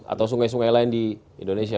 atau sungai sungai lain di indonesia